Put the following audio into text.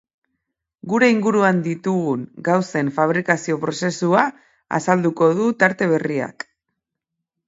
Gure inguruan ditugun gauzen fabrikazio prozesua azalduko du tarte berriak.